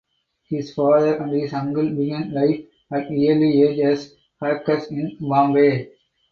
His father and his uncle began life at early age as hawkers in Bombay.